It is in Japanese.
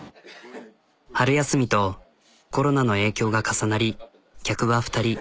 春休みとコロナの影響が重なり客は２人。